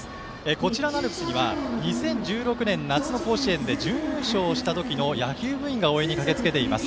こちらのアルプスには２０１６年、夏の甲子園で準優勝したときの野球部員が応援に駆けつけています。